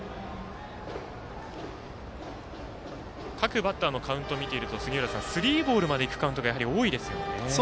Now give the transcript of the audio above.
各バッターのカウントを見ているとスリーボールまでいくカウントが多いですよね。